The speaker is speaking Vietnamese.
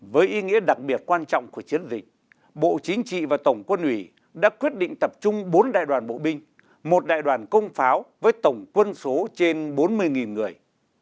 với ý nghĩa đặc biệt quan trọng của chiến dịch bộ chính trị và tổng quân ủy đã quyết định tập trung bốn đại đoàn bộ binh một đại đoàn công pháo với tổng quân số trên bốn mươi người